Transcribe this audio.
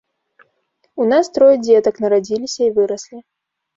У нас трое дзетак нарадзіліся і выраслі.